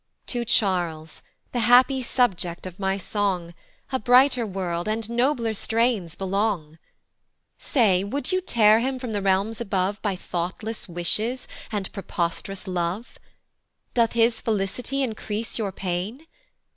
To Charles, the happy subject of my song, A brighter world, and nobler strains belong. Say would you tear him from the realms above By thoughtless wishes, and prepost'rous love? Doth his felicity increase your pain?